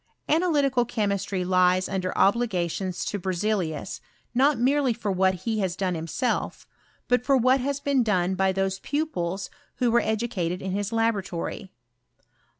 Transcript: Analytical chemistry lies under obligations to Berzelius, not merely for what he has done himself, but for what has been done by those pupils who were educated in his laboratory.